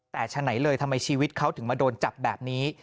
แต่ฉะไหนเลยทำไมชีวิตเขาถึงมาโดนจับแบบนี้